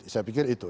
saya pikir itu